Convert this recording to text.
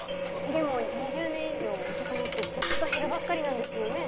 でも２０年以上お魚ってずっと減るばっかりなんですよね？